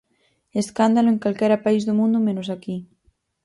Escándalo en calquera país do mundo menos aquí.